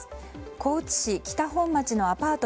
高知市北本町のアパート